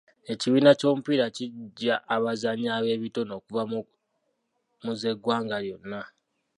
Ekibiina ky'omupiira kiggya abazannyi ab'ebitone okuva mu z'eggwanga lyonna.